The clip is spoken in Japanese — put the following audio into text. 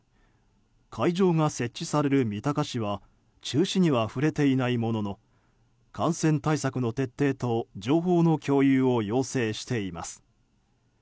会場が設置される三鷹市は中止には触れていないものの感染対策の徹底と情報の共有を要請しています。